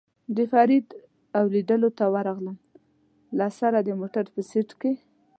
د فرید او لېدلو ته ورغلم، له سره د موټر په سېټ کې.